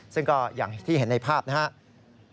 ซึ่งก็อย่างที่เห็นในภาพนะครับ